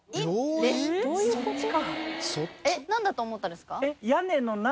えっ何だと思ったんですか？